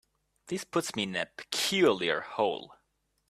This puts me in a peculiar hole.